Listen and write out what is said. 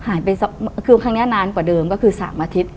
หายไปคือครั้งนี้นานกว่าเดิมก็คือ๓อาทิตย์